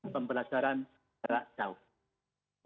pembelajaran jarak jauh